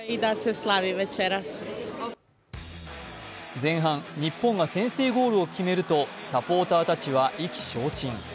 前半、日本が先制ゴールを決めると、サポーターたちは意気消沈。